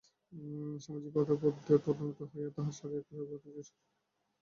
স্বামীজীর পাদপদ্মে প্রণত হইয়া তাঁহার শারীরিক কুশলবার্তা জিজ্ঞাসা করিয়াছে।